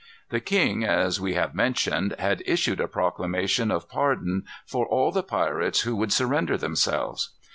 The king, as we have mentioned, had issued a proclamation of pardon for all the pirates who would surrender themselves.